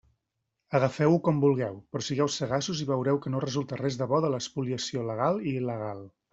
Agafeu-ho com vulgueu, però sigueu sagaços i veureu que no resulta res de bo de l'espoliació legal i il·legal.